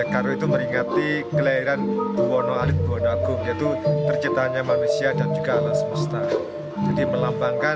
karo itu meringati kelahiran buwono adik buwono agung yaitu terciptanya manusia dan juga ala semesta